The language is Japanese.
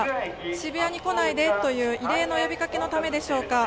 渋谷に来ないでという異例の呼びかけのためでしょうか。